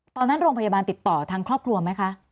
ตอนนั้นโรงพยาบาลติดต่อทางครอบครัวไหมคะ